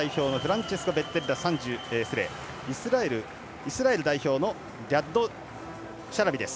イスラエル代表のリヤッド・シャラビです。